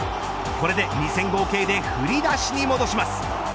これで２戦合計で振り出しに戻します。